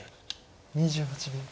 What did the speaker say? ２８秒。